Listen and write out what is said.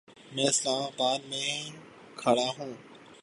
میں اسلام آباد ہی میں کھڑا ہوں